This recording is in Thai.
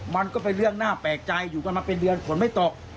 มันก็เป็นเรื่องน่าแปลกใจอยู่กันมาเป็นเดือนฝนไม่ตก